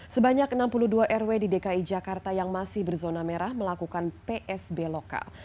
sebanyak enam puluh dua rw di dki jakarta yang masih berzona merah melakukan psb lokal